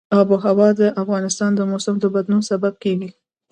آب وهوا د افغانستان د موسم د بدلون سبب کېږي.